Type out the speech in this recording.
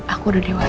aku udah dewasa pak